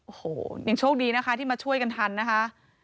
โอ้โหยังโชคดีนะคะที่มาช่วยกันทันนะคะ